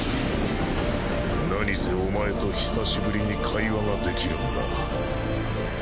なにせお前と久しぶりに会話ができるんだ。